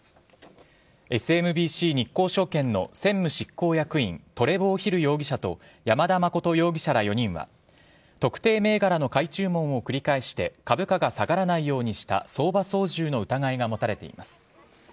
ＳＭＢＣ日興証券の専務執行役員トレボー・ヒル容疑者と山田誠容疑者ら４人は特定銘柄の買い注文を繰り返して株価が下がらないようにした相場操縦の疑いが持たれています。